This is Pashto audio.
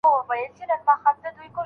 آیا فوټ تر انچ لوی دی؟